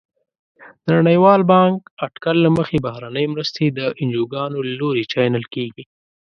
د نړیوال بانک اټکل له مخې بهرنۍ مرستې د انجوګانو له لوري چینل کیږي.